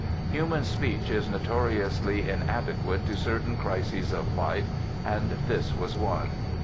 Human speech is notoriously inadequate to cer tain crises of life, and this was one.